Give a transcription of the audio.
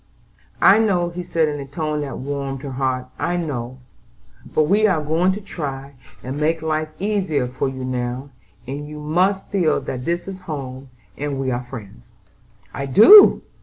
"I know," he said in a tone that warmed her heart, "I know, but we are going to try, and make life easier for you now, and you must feel that this is home and we are friends." "I do!"